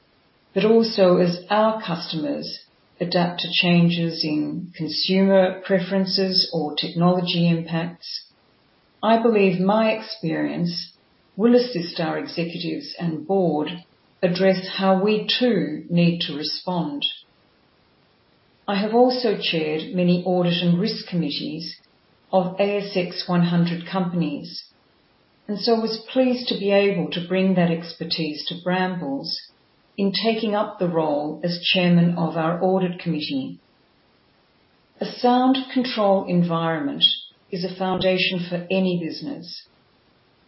but also as our customers adapt to changes in consumer preferences or technology impacts, I believe my experience will assist our executives and board address how we too need to respond. I have also chaired many audit and risk committees of ASX 100 companies, and so was pleased to be able to bring that expertise to Brambles in taking up the role as chairman of our audit committee. A sound control environment is a foundation for any business,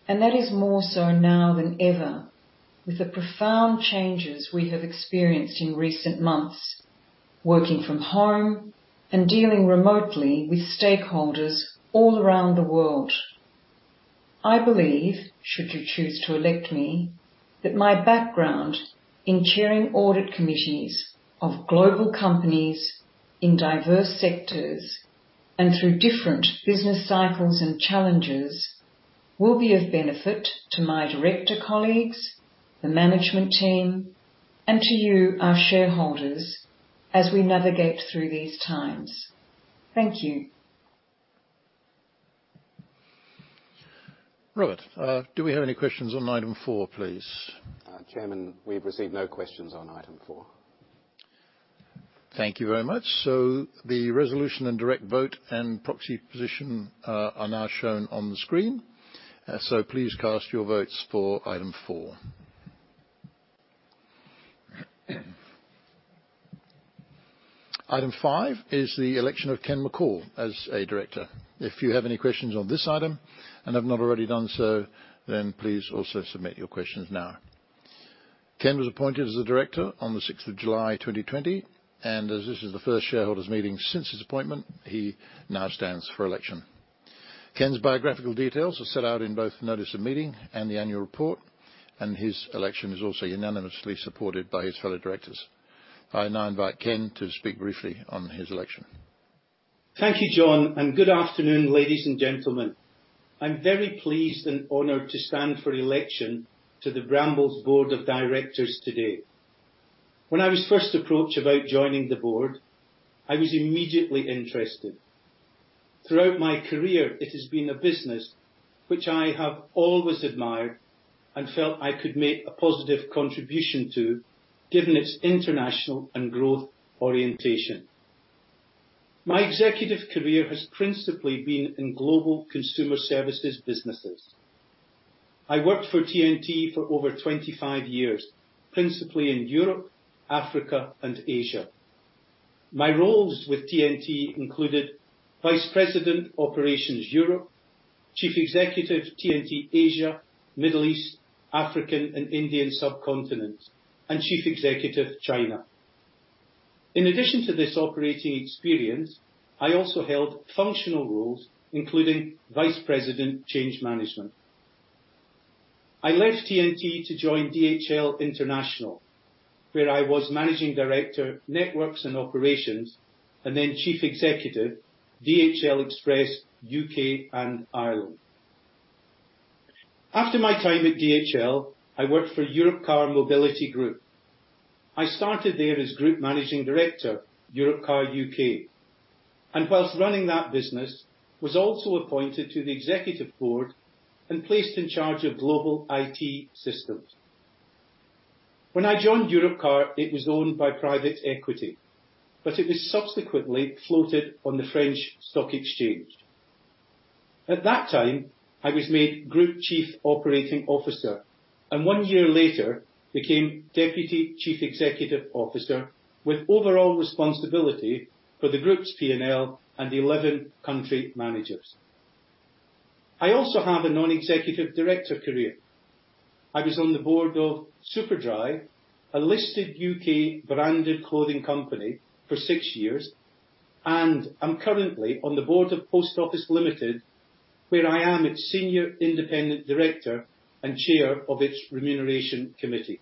and that is more so now than ever with the profound changes we have experienced in recent months, working from home and dealing remotely with stakeholders all around the world. I believe, should you choose to elect me, that my background in chairing audit committees of global companies in diverse sectors and through different business cycles and challenges, will be of benefit to my director colleagues, the management team, and to you, our shareholders, as we navigate through these times. Thank you. Robert, do we have any questions on item four, please? Chairman, we've received no questions on item four. Thank you very much. The resolution and direct vote and proxy position are now shown on the screen. Please cast your votes for item four. Item five is the election of Ken McCall as a director. If you have any questions on this item and have not already done so, please also submit your questions now. Ken was appointed as a director on the 6th of July 2020, and as this is the first shareholders' meeting since his appointment, he now stands for election. Ken's biographical details are set out in both the notice of meeting and the annual report, and his election is also unanimously supported by his fellow directors. I now invite Ken to speak briefly on his election. Thank you, John. Good afternoon, ladies and gentlemen. I'm very pleased and honored to stand for election to the Brambles board of directors today. When I was first approached about joining the board, I was immediately interested. Throughout my career, it has been a business which I have always admired and felt I could make a positive contribution to given its international and growth orientation. My executive career has principally been in global consumer services businesses. I worked for TNT for over 25 years, principally in Europe, Africa, and Asia. My roles with TNT included Vice President Operations, Europe, Chief Executive, TNT, Asia, Middle East, African and Indian Subcontinent, and Chief Executive, China. In addition to this operating experience, I also held functional roles, including Vice President, Change Management. I left TNT to join DHL International, where I was Managing Director, Networks and Operations, and then Chief Executive, DHL Express, U.K. and Ireland. After my time at DHL, I worked for Europcar Mobility Group. I started there as Group Managing Director, Europcar U.K., and whilst running that business, was also appointed to the executive board and placed in charge of global IT systems. When I joined Europcar, it was owned by private equity, but it was subsequently floated on the French Stock Exchange. At that time, I was made Group Chief Operating Officer. One year later, became Deputy Chief Executive Officer with overall responsibility for the group's P&L and 11 country managers. I also have a non-executive director career. I was on the board of Superdry, a listed U.K. branded clothing company, for six years. I'm currently on the board of Post Office Limited, where I am its senior independent director and chair of its Remuneration Committee.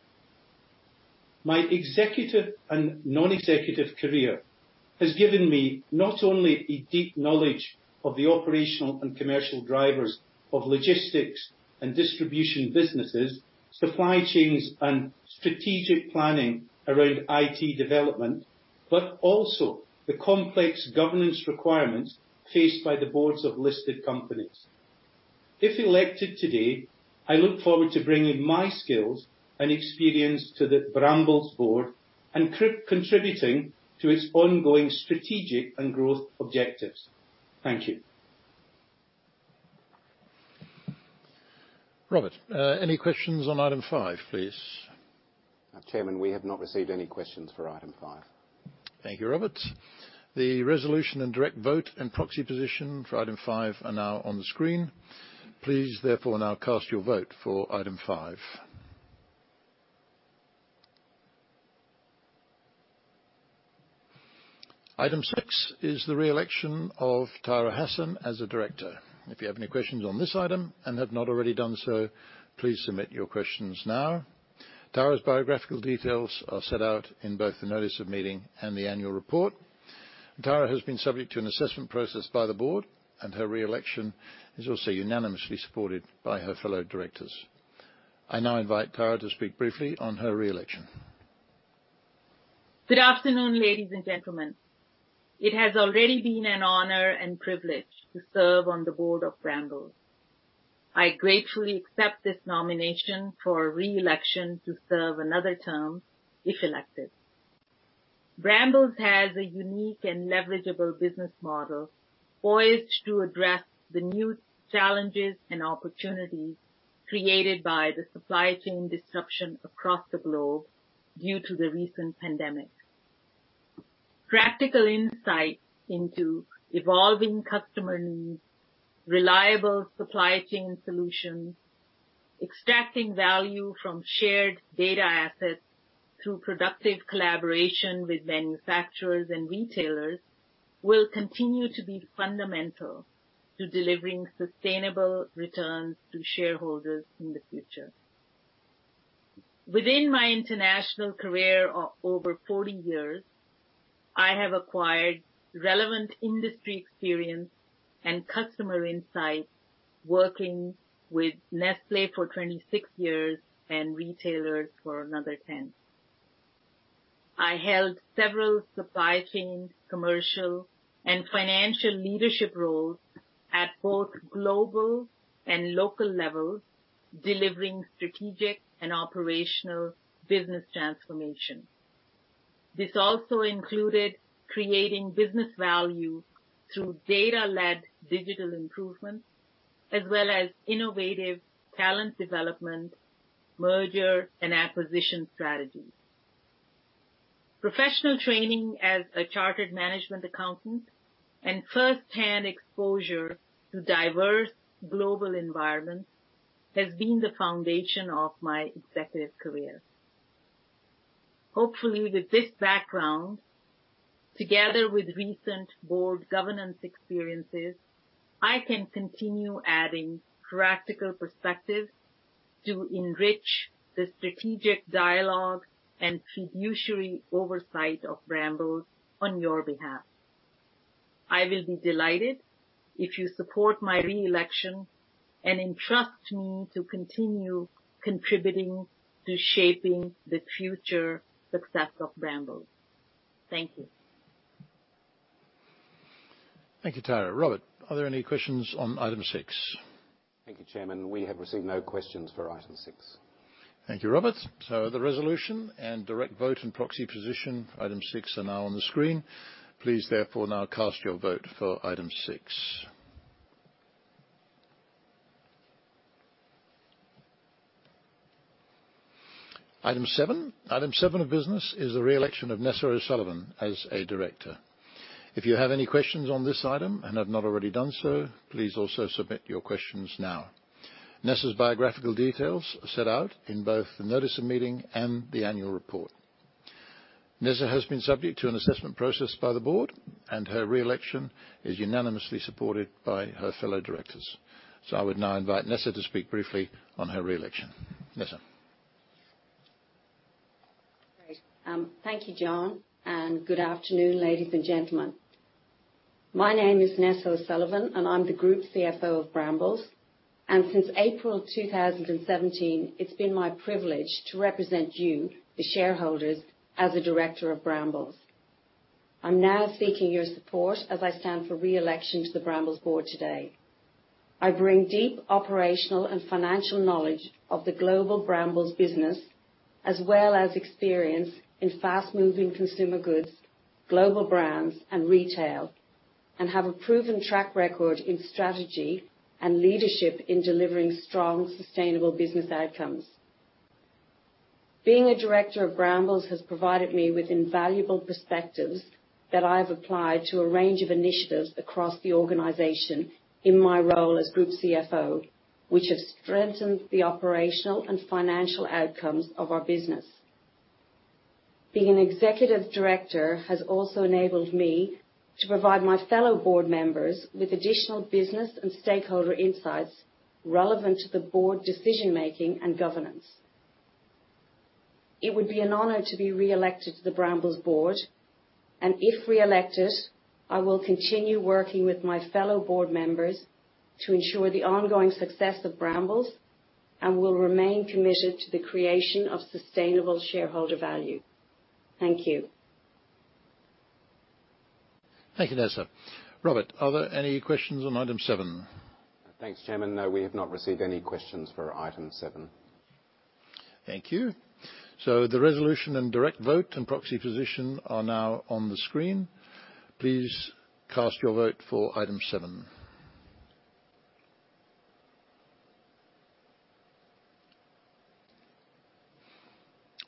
My executive and non-executive career has given me not only a deep knowledge of the operational and commercial drivers of logistics and distribution businesses, supply chains, and strategic planning around IT development, but also the complex governance requirements faced by the boards of listed companies. If elected today, I look forward to bringing my skills and experience to the Brambles Board and contributing to its ongoing strategic and growth objectives. Thank you. Robert, any questions on item five, please? Chairman, we have not received any questions for item five. Thank you, Robert. The resolution and direct vote and proxy position for item five are now on the screen. Please therefore now cast your vote for item five. Item six is the re-election of Tahira Hassan as a Director. If you have any questions on this item and have not already done so, please submit your questions now. Tahira's biographical details are set out in both the notice of meeting and the annual report. Tahira has been subject to an assessment process by the Board, and her re-election is also unanimously supported by her fellow Directors. I now invite Tahira to speak briefly on her re-election. Good afternoon, ladies and gentlemen. It has already been an honor and privilege to serve on the board of Brambles. I gratefully accept this nomination for re-election to serve another term, if elected. Brambles has a unique and leverageable business model poised to address the new challenges and opportunities created by the supply chain disruption across the globe due to the recent pandemic. Practical insights into evolving customer needs, reliable supply chain solutions, extracting value from shared data assets through productive collaboration with manufacturers and retailers, will continue to be fundamental to delivering sustainable returns to shareholders in the future. Within my international career of over 40 years, I have acquired relevant industry experience and customer insights working with Nestlé for 26 years and retailers for another 10. I held several supply chain, commercial, and financial leadership roles at both global and local levels, delivering strategic and operational business transformation. This also included creating business value through data-led digital improvements, as well as innovative talent development, merger, and acquisition strategies. Professional training as a chartered management accountant and firsthand exposure to diverse global environments has been the foundation of my executive career. Hopefully with this background, together with recent board governance experiences, I can continue adding practical perspectives to enrich the strategic dialogue and fiduciary oversight of Brambles on your behalf. I will be delighted if you support my re-election and entrust me to continue contributing to shaping the future success of Brambles. Thank you. Thank you, Tahira. Robert, are there any questions on item six? Thank you, Chairman. We have received no questions for item six. Thank you, Robert. The resolution and direct vote and proxy position for item six are now on the screen. Please therefore now cast your vote for item six. Item seven. Item seven of business is the re-election of Nessa O'Sullivan as a director. If you have any questions on this item and have not already done so, please also submit your questions now. Nessa's biographical details are set out in both the notice of meeting and the annual report. Nessa has been subject to an assessment process by the board, and her re-election is unanimously supported by her fellow directors. I would now invite Nessa to speak briefly on her re-election. Nessa. Great. Thank you, John Mullen. Good afternoon, ladies and gentlemen. My name is Nessa O'Sullivan. I'm the Group CFO of Brambles. Since April 2017, it's been my privilege to represent you, the shareholders, as a director of Brambles. I'm now seeking your support as I stand for re-election to the Brambles Board today. I bring deep operational and financial knowledge of the global Brambles business, as well as experience in fast-moving consumer goods, global brands, and retail. Have a proven track record in strategy and leadership in delivering strong, sustainable business outcomes. Being a director of Brambles has provided me with invaluable perspectives that I have applied to a range of initiatives across the organization in my role as Group CFO, which have strengthened the operational and financial outcomes of our business. Being an executive director has also enabled me to provide my fellow board members with additional business and stakeholder insights relevant to the board decision-making and governance. It would be an honor to be reelected to the Brambles board, and if reelected, I will continue working with my fellow board members to ensure the ongoing success of Brambles and will remain committed to the creation of sustainable shareholder value. Thank you. Thank you, Nessa. Robert, are there any questions on item seven? Thanks, Chairman. No, we have not received any questions for item seven. Thank you. The resolution and direct vote and proxy position are now on the screen. Please cast your vote for item seven.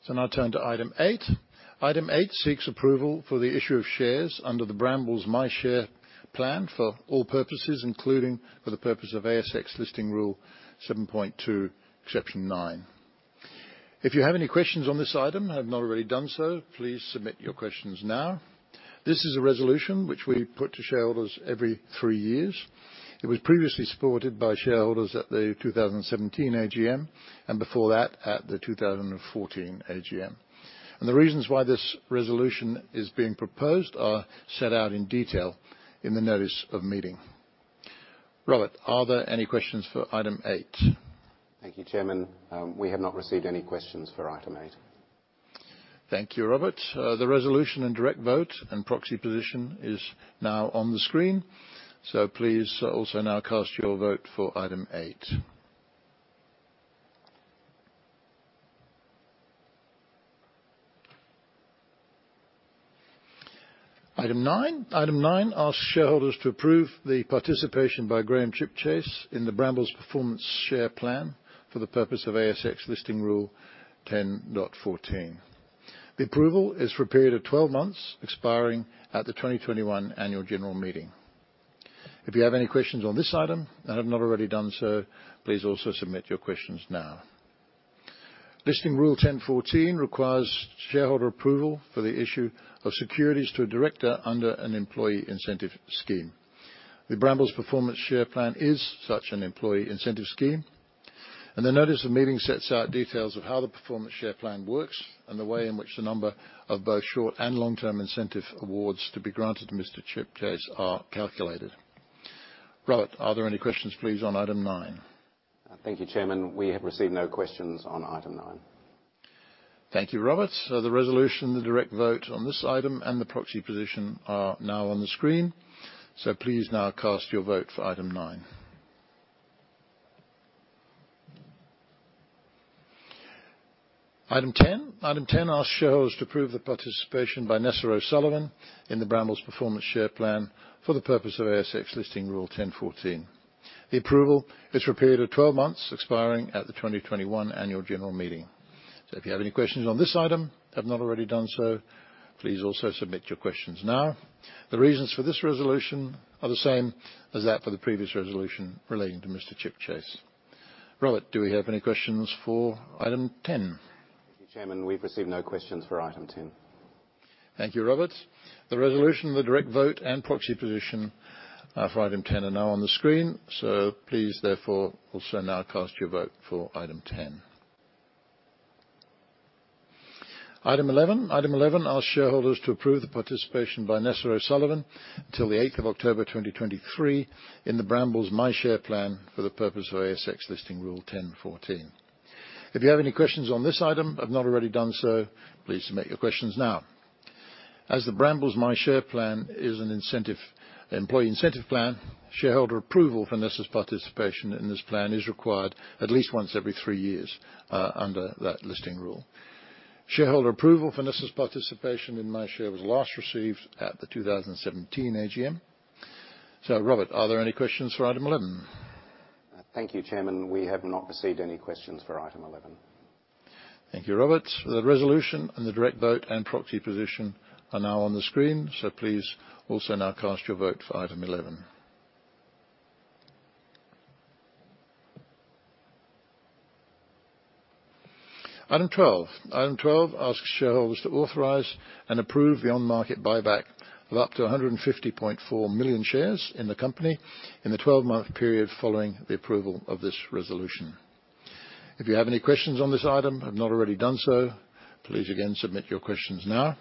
Now turn to item eight. Item eight seeks approval for the issue of shares under the Brambles MyShare Plan for all purposes, including for the purpose of ASX listing rule 7.2, exception nine. If you have any questions on this item, have not already done so, please submit your questions now. This is a resolution which we put to shareholders every three years. It was previously supported by shareholders at the 2017 AGM, and before that at the 2014 AGM. The reasons why this resolution is being proposed are set out in detail in the notice of meeting. Robert, are there any questions for item eight? Thank you, Chairman. We have not received any questions for item eight. Thank you, Robert. The resolution and direct vote and proxy position is now on the screen. Please also now cast your vote for item eight. Item nine. Item nine asks shareholders to approve the participation by Graham Chipchase in the Brambles Performance Share Plan for the purpose of ASX listing rule 10.14. The approval is for a period of 12 months, expiring at the 2021 annual general meeting. If you have any questions on this item and have not already done so, please also submit your questions now. Listing rule 10.14 requires shareholder approval for the issue of securities to a director under an employee incentive scheme. The Brambles Performance Share Plan is such an employee incentive scheme, and the notice of meeting sets out details of how the Brambles Performance Share Plan works, and the way in which the number of both short and long-term incentive awards to be granted to Mr. Chipchase are calculated. Robert, are there any questions, please, on item nine? Thank you, Chairman. We have received no questions on item nine. Thank you, Robert. The resolution, the direct vote on this item, and the proxy position are now on the screen. Please now cast your vote for item nine. Item 10. Item 10 asks shareholders to approve the participation by Nessa O'Sullivan in the Brambles Performance Share Plan for the purpose of ASX listing rule 10.14. The approval is for a period of 12 months, expiring at the 2021 Annual General Meeting. If you have any questions on this item, have not already done so, please also submit your questions now. The reasons for this resolution are the same as that for the previous resolution relating to Mr. Chipchase. Robert, do we have any questions for item 10? Thank you, Chairman. We've received no questions for item 10. Thank you, Robert. The resolution, the direct vote, and proxy position for item 10 are now on the screen. Please therefore also now cast your vote for item 10. Item 11. Item 11 asks shareholders to approve the participation by Nessa O'Sullivan till the 8th of October 2023 in the Brambles MyShare Plan for the purpose of ASX listing rule 10.14. If you have any questions on this item, have not already done so, please submit your questions now. As the Brambles MyShare Plan is an employee incentive plan, shareholder approval for Nessa's participation in this plan is required at least once every three years, under that listing rule. Shareholder approval for Nessa's participation in MyShare was last received at the 2017 AGM. Robert, are there any questions for item 11? Thank you, Chairman. We have not received any questions for item 11. Thank you, Robert. The resolution and the direct vote and proxy position are now on the screen, so please also now cast your vote for item 11. Item 12. Item 12 asks shareholders to authorize and approve the on-market buyback of up to 150.4 million shares in the company in the 12-month period following the approval of this resolution. If you have any questions on this item, have not already done so, please again submit your questions now.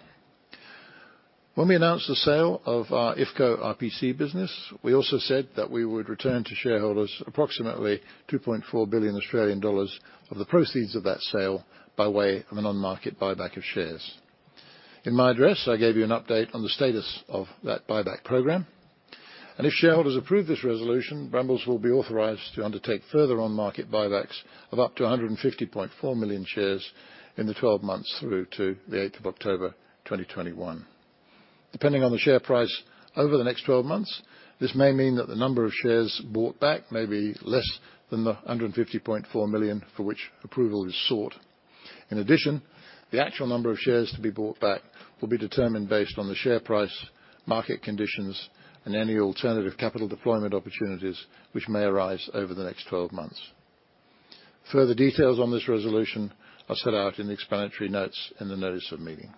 When we announced the sale of our IFCO RPC business, we also said that we would return to shareholders approximately 2.4 billion Australian dollars of the proceeds of that sale by way of an on-market buyback of shares. In my address, I gave you an update on the status of that buyback program. If shareholders approve this resolution, Brambles will be authorized to undertake further on-market buybacks of up to 150.4 million shares in the 12 months through to the 8th of October 2021. Depending on the share price over the next 12 months, this may mean that the number of shares bought back may be less than the 150.4 million for which approval is sought. In addition, the actual number of shares to be bought back will be determined based on the share price, market conditions, and any alternative capital deployment opportunities which may arise over the next 12 months. Further details on this resolution are set out in the explanatory notes in the notice of meeting.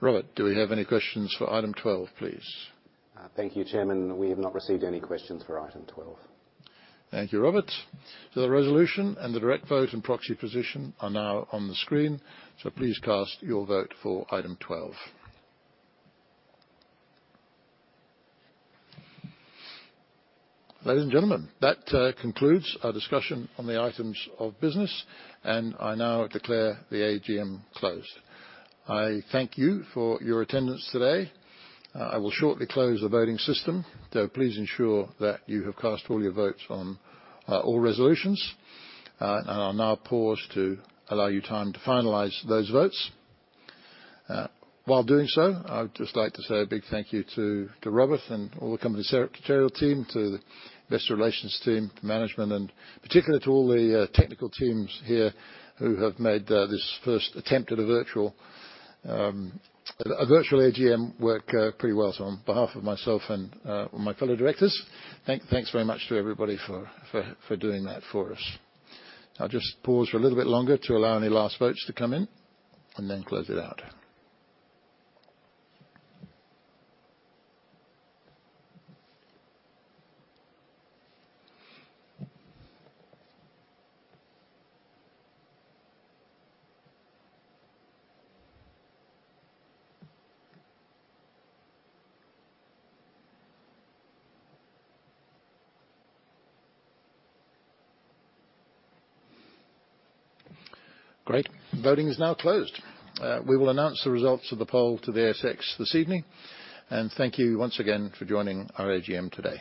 Robert, do we have any questions for item 12, please? Thank you, Chairman. We have not received any questions for item 12. Thank you, Robert. The resolution and the direct vote and proxy position are now on the screen. Please cast your vote for item 12. Ladies and gentlemen, that concludes our discussion on the items of business, and I now declare the AGM closed. I thank you for your attendance today. I will shortly close the voting system, so please ensure that you have cast all your votes on all resolutions. I'll now pause to allow you time to finalize those votes. While doing so, I would just like to say a big thank you to Robert and all the company secretarial team, to the investor relations team, to management, and particularly to all the technical teams here who have made this first attempt at a virtual AGM work pretty well. On behalf of myself and my fellow directors, thanks very much to everybody for doing that for us. I'll just pause for a little bit longer to allow any last votes to come in, and then close it out. Great. Voting is now closed. We will announce the results of the poll to the ASX this evening. Thank you once again for joining our AGM today.